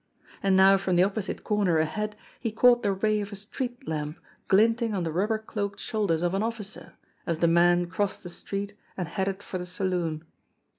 And now from the opposite corner ahead he caught the ray of a street lamp glinting on the rubber cloaked shoulders of an officer, as the man crossed the street and headed for the saloon.